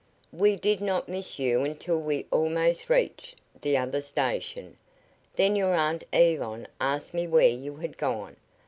"We did not miss you until we had almost reached the other station. Then your Aunt Yvonne asked me where you had gone.